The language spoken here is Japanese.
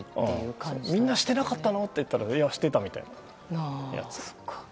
みんなしてなかったの？と言ったらみんなしてたっていう。